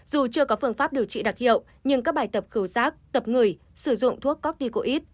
dù chưa có phương pháp điều trị đặc hiệu nhưng các bài tập khẩu rác tập người sử dụng thuốc corticoid